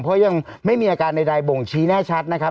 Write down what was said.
เพราะยังไม่มีอาการใดบ่งชี้แน่ชัดนะครับ